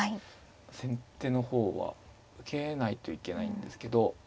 先手の方は受けないといけないんですけど。